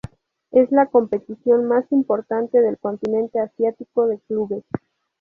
Es la competición más importante del continente asiático de clubes.